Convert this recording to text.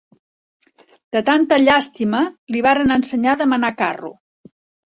De tanta llàstima, li varen ensenyar de menar carro.